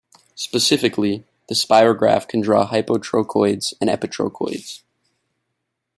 Specifically, the Spirograph can draw hypotrochoids and epitrochoids.